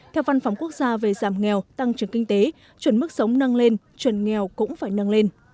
theo văn phòng quốc gia về giảm nghèo tăng trưởng kinh tế chuẩn mức sống nâng lên chuẩn nghèo cũng phải nâng lên